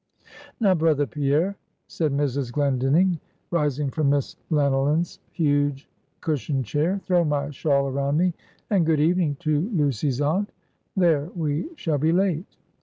"Now, brother Pierre" said Mrs. Glendinning, rising from Miss Llanyllyn's huge cushioned chair "throw my shawl around me; and good evening to Lucy's aunt. There, we shall be late."